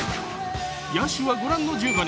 野手はご覧の１５人。